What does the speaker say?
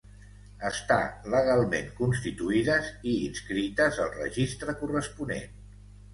Estar legalment constituïdes i inscrites al registre corresponent.